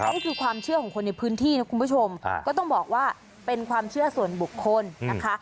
นี่คือความเชื่อของคนในพื้นที่นะคุณผู้ชมก็ต้องบอกว่าเป็นความเชื่อส่วนบุคคลนะคะ